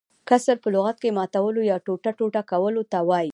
کسر په لغت کښي ماتولو يا ټوټه - ټوټه کولو ته وايي.